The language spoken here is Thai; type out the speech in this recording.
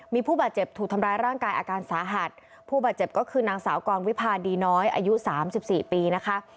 มีผู้บาดเจ็บถูกทำร้ายร่างกายอาการสาหัสผู้บาดเจ็บก็คือนางสาวกรวิพาดีน้อยอายุสามสิบสี่ปีนะคะ